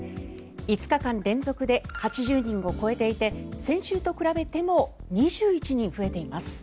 ５日間連続で８０人を超えていて先週と比べても２１人増えています。